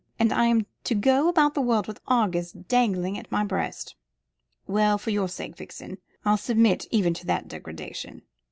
And I am to go about the world with Argus dangling at my breast. Well, for your sake, Vixen, I'll submit even to that degradation."